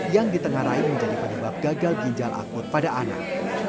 yang ditengarai menjadi penyebab gagal ginjal akut pada anak